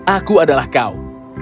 aku adalah kau